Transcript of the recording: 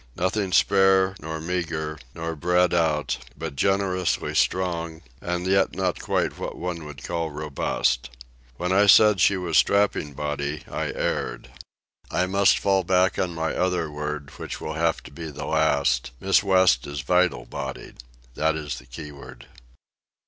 Nothing spare nor meagre, nor bred out, but generously strong, and yet not quite what one would call robust. When I said she was strapping bodied I erred. I must fall back on my other word, which will have to be the last: Miss West is vital bodied. That is the key word.